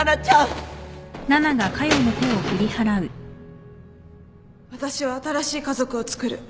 私は新しい家族をつくる。